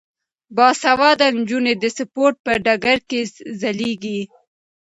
باسواده نجونې د سپورت په ډګر کې ځلیږي.